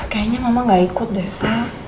kayaknya mama gak ikut deh sa